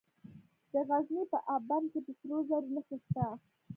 د غزني په اب بند کې د سرو زرو نښې شته.